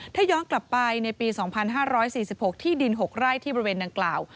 ถ้าย้อนกลับไปในปี๒๕๔๖ที่ดิน๖ไร่ที่บริเวณดังกล่าว